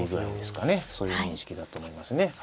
そういう認識だと思いますね。